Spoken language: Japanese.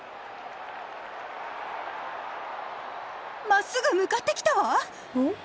真っすぐ向かってきたわ！